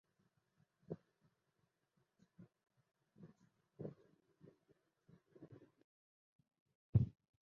এ পর্যায়ে তাঁর পরবর্তী রচনা হলো বকসু ফকির।